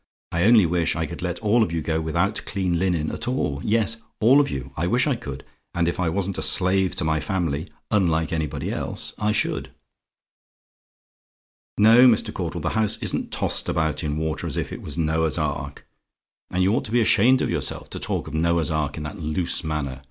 I only wish I could let all of you go without clean linen at all yes, all of you. I wish I could! And if I wasn't a slave to my family, unlike anybody else, I should. "No, Mr. Caudle; the house isn't tossed about in water as if it was Noah's Ark. And you ought to be ashamed of yourself to talk of Noah's Ark in that loose manner.